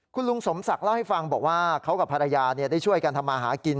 คุณลุงสมศักดิ์เล่าให้ฟังบอกว่าเขากับภรรยาได้ช่วยกันทำมาหากิน